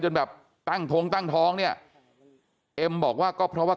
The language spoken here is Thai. แบบตั้งท้องตั้งท้องเนี่ยเอ็มบอกว่าก็เพราะว่า